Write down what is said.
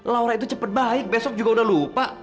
laura itu cepat baik besok juga udah lupa